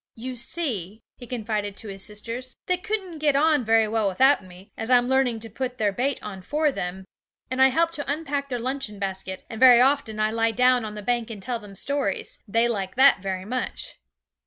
'You see,' he confided to his sisters, 'they couldn't get on very well without me, as I'm learning to put their bait on for them, and I help to unpack their luncheon basket, and very often I lie down on the bank and tell them stories; they like that very much.'